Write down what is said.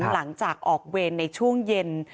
หลังจากออกเวรในช่วงเย็น